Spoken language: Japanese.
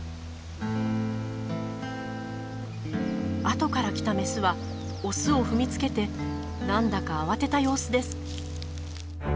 後から来たメスはオスを踏みつけてなんだか慌てた様子です。